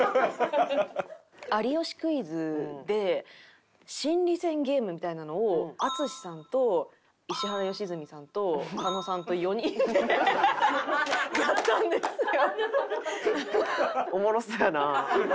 『有吉クイズ』で心理戦ゲームみたいなのを淳さんと石原良純さんと狩野さんと４人でやったんですよ。